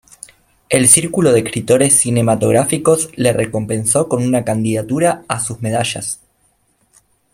El Círculo de Escritores Cinematográficos le recompensó con una candidatura a sus medallas.